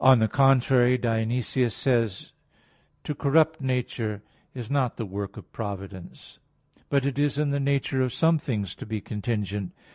On the contrary, Dionysius says that (Div. Nom. iv, 23) "to corrupt nature is not the work of providence." But it is in the nature of some things to be contingent.